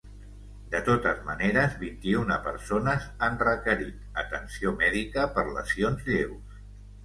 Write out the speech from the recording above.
De totes maneres, vint-i-una persones han requerit atenció mèdica per lesions lleus.